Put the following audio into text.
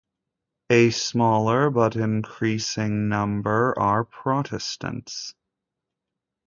A smaller, but increasing, number are Protestants.